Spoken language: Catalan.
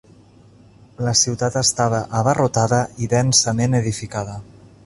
La ciutat estava abarrotada i densament edificada.